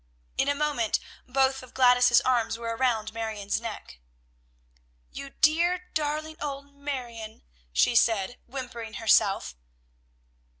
In a moment both of Gladys's arms were around Marion's neck. "You dear, darling old Marion," she said, whimpering herself.